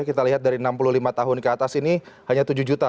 kita lihat dari enam puluh lima tahun ke atas ini hanya tujuh juta